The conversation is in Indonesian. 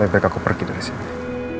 biar aku pergi dari sini